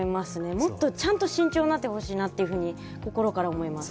もっとちゃんと慎重になってほしいなと心から思います。